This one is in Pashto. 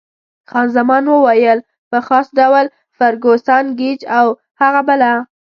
خان زمان وویل: په خاص ډول فرګوسن، ګېج او هغه بله.